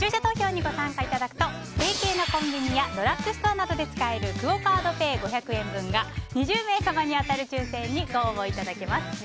視聴者投票にご参加いただくと提携のコンビニやドラッグストアなどで使えるクオ・カードペイ５００円分が２０名様に当たる抽選にご応募いただけます。